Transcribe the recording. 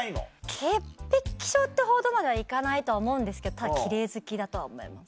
潔癖症ってほどまでは行かないとは思うんですけど奇麗好きだとは思います。